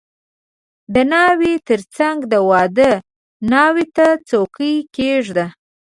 • د ناوې تر څنګ د واده ناوې ته څوکۍ کښېږده.